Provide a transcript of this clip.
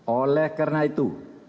oleh karena itu